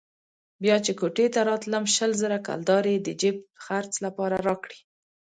بيا چې کوټې ته راتلم شل زره کلدارې يې د جېب خرڅ لپاره راکړې.